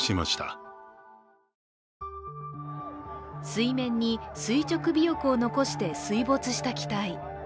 水面に垂直尾翼を残して水没した機体。